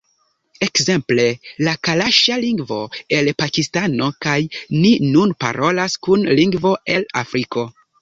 Ekzemple, la kalaŝa lingvo el Pakistano kaj ni nun parolas kun lingvo el Afriko